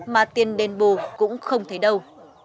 mà tiền đền bù cũng không thấy đâu